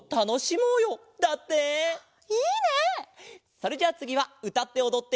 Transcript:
それじゃあつぎはうたっておどって。